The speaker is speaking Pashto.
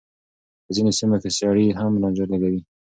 په ځينو سيمو کې سړي هم رانجه لګوي.